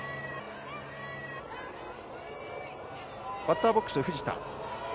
バッターボックス、藤田。